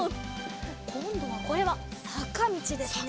こんどはこれはさかみちですね。